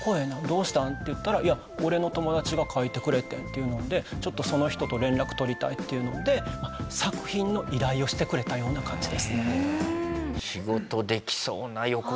どうしたん？」って言ったら「いや俺の友達が描いてくれてん」っていうのでちょっとその人と連絡取りたいっていうので作品の依頼をしてくれたような感じですね。